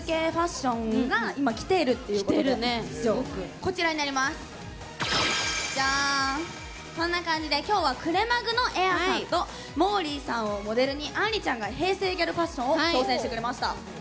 こんな感じで今日はくれまぐのエアさんともーりーさんをモデルにあんりちゃんが平成ギャルファッションを挑戦してくれました。